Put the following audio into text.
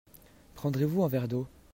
Prendrez-vous un verre d'eau.